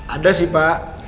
ada sih pak